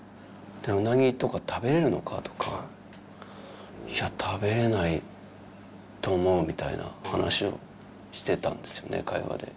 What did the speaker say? うなぎとか食べれるのか？とか、いや、食べれないと思うみたいな話をしてたんですよね、会話で。